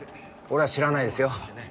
俺は知らないですよ